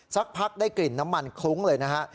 สักพักได้กลิ่นน้ำมันคลุ้งเลยนะฮะ